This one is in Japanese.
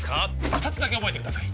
二つだけ覚えてください